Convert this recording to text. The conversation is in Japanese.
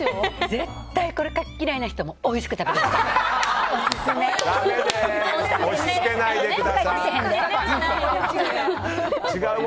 絶対これ牡蠣嫌いな人もおいしく食べれる！